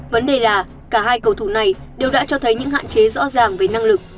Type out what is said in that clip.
vấn đề là cả hai cầu thủ này đều đã cho thấy những hạn chế rõ ràng về năng lực